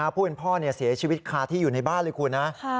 ผู้เป็นพ่อเสียชีวิตคาที่อยู่ในบ้านเลยคุณนะ